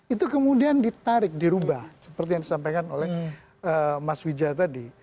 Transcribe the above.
itu kemudian ditarik dirubah seperti yang disampaikan oleh mas wijaya tadi